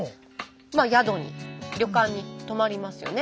まあ宿に旅館に泊まりますよね。